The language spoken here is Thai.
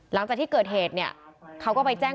หลังจากที่เกิดเหตุเนี่ยเขาก็ไปแจ้ง